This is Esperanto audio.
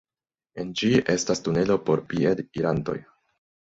En ĝi estas tunelo por piedirantoj.